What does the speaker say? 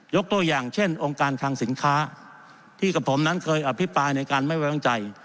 ตัวอย่างเช่นองค์การคังสินค้าที่กับผมนั้นเคยอภิปรายในการไม่ไว้วางใจ